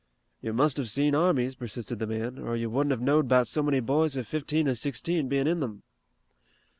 "You must have seen armies," persisted the man, "or you wouldn't hev knowed 'bout so many boys of fifteen or sixteen bein' in them."